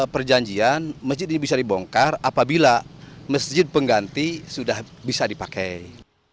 perjanjian masjid ini bisa dibongkar apabila masjid pengganti sudah bisa dipakai